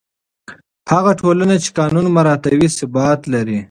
هغه ټولنه چې قانون مراعتوي، ثبات لري.